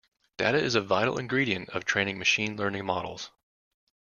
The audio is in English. Data is a vital ingredient of training machine learning models.